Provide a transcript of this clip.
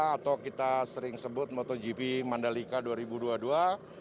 atau kita sering sebut motogp mandalika dua ribu dua puluh dua